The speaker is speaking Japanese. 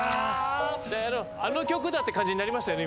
あの曲だ！って感じになりましたよね